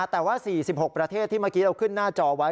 แต่ว่า๔๖ประเทศที่เมื่อกี้เราขึ้นหน้าจอไว้